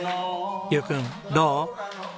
悠君どう？